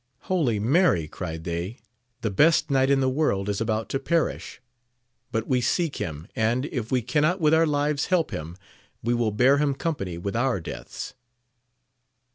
Holy Mary ! cried they, the ^ knight in the world is about to perish! but w 278 AMADIS OF GAUL. seek him, and, if we cannot with onr lives help him, we will bear him company with our deaths.